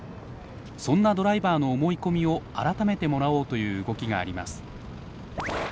そんなドライバーの思い込みを改めてもらおうという動きがあります。